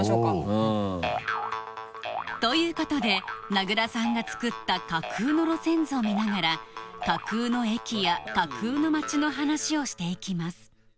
うん。ということで名倉さんが作った架空の路線図を見ながら架空の駅や架空の町の話をしていきます